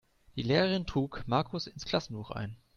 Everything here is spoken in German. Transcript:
Die Lehrerin trug Markus ins Klassenbuch ein.